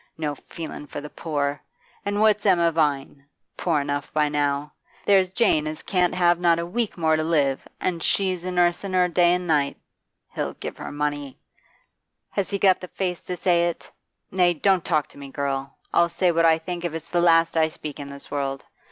No feelin' for the poor! An' what's Emma Vine? Poor enough by now. There's Jane as can't have not a week more to live, an' she a nursin' her night an' day. He'll give her money! has he got the face to say it? Nay, don't talk to me, girl; I'll say what I think if it's the last I speak in this world.